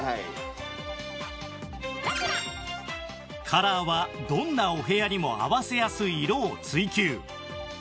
カラーはどんなお部屋にも合わせやすい色を追求